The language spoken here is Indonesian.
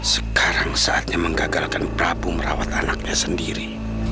sekarang saatnya menggagalkan prabu merawat anaknya sendiri